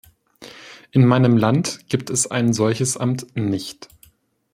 In meinem Land gibt es ein solches Amt nicht.